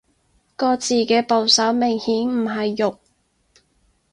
個字嘅部首明顯唔係肉